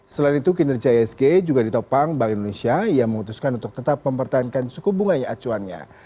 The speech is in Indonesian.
selain itu kinerja isg juga ditopang bank indonesia yang memutuskan untuk tetap mempertahankan suku bunganya acuannya